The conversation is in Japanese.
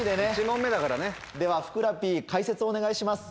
・１問目だからね・ではふくらＰ解説をお願いします。